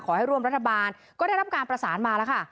ขอให้ร่วมรัฐบาลก็ได้รับการประสานมาแล้วค่ะ